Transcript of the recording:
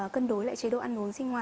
cân đối lại chế độ ăn uống sinh hoa